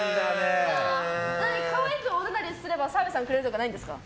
可愛くおねだりしたら澤部さんがくれるとかないんですか？